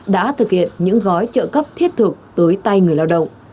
đã thực hiện những gói trợ cấp thiết thực tới tay người lao động